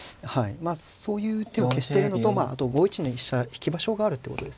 そういう手を消してるのとあと５一に飛車引き場所があるってことですね。